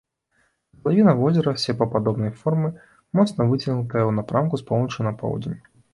Катлавіна возера серпападобнай формы, моцна выцягнутая ў напрамку з поўначы на поўдзень.